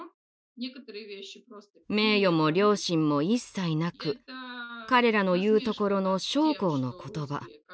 名誉も良心も一切なく彼らの言うところの将校の言葉。